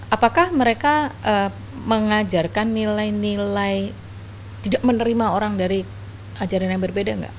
apakah mereka mengajarkan nilai nilai tidak menerima orang dari ajaran yang berbeda nggak